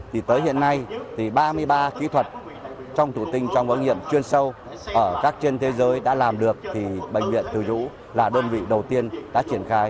thì tới hiện nay thì ba mươi ba kỹ thuật trong thủ tinh trong ổ nghiệm chuyên sâu ở các trên thế giới đã làm được thì bệnh viện từ dũ là đơn vị đầu tiên đã triển khai